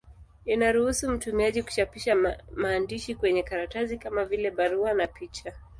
Inaruhusu mtumiaji kuchapisha maandishi kwenye karatasi, kama vile barua na picha.